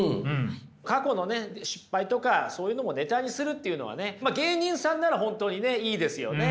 過去の失敗とかそういうのもネタにするっていうのはね芸人さんなら本当にいいですよね。